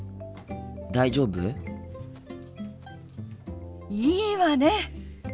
大丈夫？いいわね！